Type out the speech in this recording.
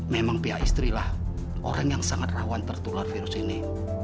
memang pihak istrilah orang yang sangat rawan tertular virus ini